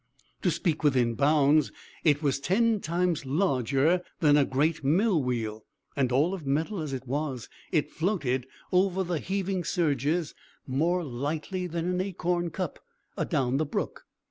To speak within bounds, it was ten times larger than a great mill wheel; and, all of metal as it was, it floated over the heaving surges more lightly than an acorn cup adown the brook.